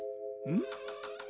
ん？